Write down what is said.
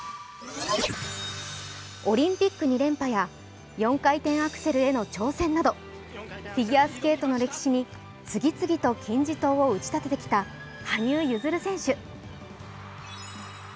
オリンピック２連覇や４回転アクセルへの挑戦などフィギュアスケートの歴史に次々と金字塔を打ち立ててきた羽生結弦選手。